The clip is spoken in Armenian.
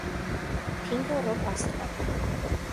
Փինքը ռոք աստղ է։